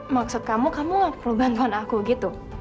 maksud kamu kamu gak perlu bantuan aku gitu